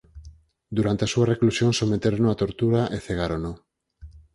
Durante a súa reclusión sometérono a tortura e cegárono.